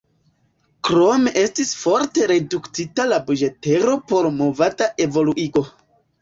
Krome estis forte reduktita la buĝetero por "movada evoluigo".